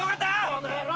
この野郎！